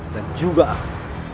dan juga aku